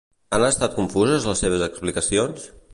Han estat confuses les seves explicacions?